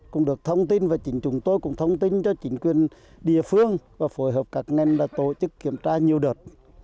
cũng được thông tin và chính chúng tôi cũng thông tin cho chính quyền địa phương và phối hợp các ngành đã tổ chức kiểm tra nhiều đợt